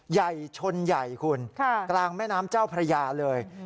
ใหญ่ชนใหญ่คุณกลางแม่น้ำเจ้าพระยาเลย